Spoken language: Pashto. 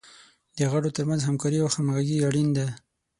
د غړو تر منځ همکاري او همغږي اړین دی.